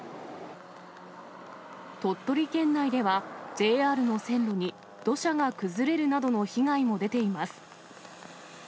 鳥取県内では、ＪＲの線路に土砂が崩れるなどの被害も出ています。